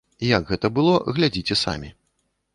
Як гэта было, глядзіце самі.